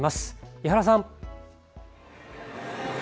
伊原さん。